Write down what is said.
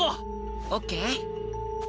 オッケー！